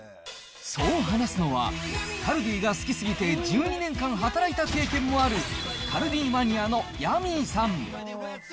そう話すのは、カルディが好き過ぎて１２年間働いた経験もある、カルディマニアのヤミーさん。